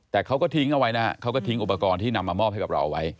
แต่เขาก็ทิ้งเอาไว้นะฮะเขาก็ทิ้งอุปกรณ์ที่นำมามอบให้กับเราไว้